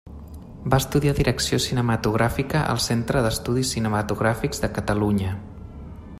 Va estudiar direcció cinematogràfica al Centre d'Estudis Cinematogràfics de Catalunya.